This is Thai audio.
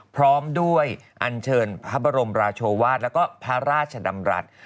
พร้อมด้วยอันเชิญพระบรมราชวาสแล้วก็พระราชดำรัฐ